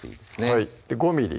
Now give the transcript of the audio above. はい５ｍｍ？